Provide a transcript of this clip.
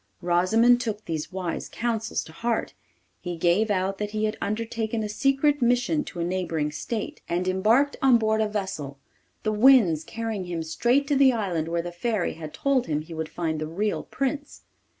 Rosimond took these wise counsels to heart. He gave out that he had undertaken a secret mission to a neighbouring state, and embarked on board a vessel, the winds carrying him straight to the island where the Fairy had told him he would find the real Prince.